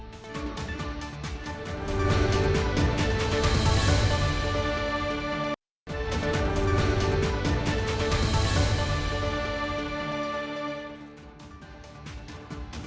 sian indonesia newscast